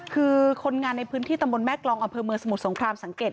คือคนงานในพื้นที่ตำบลแม่กรองอำเภอเมืองสมุทรสงครามสังเกต